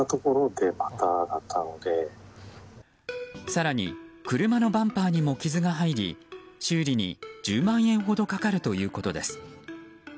更に車のバンパーにも傷が入り修理に１０万円ほどかかるということです。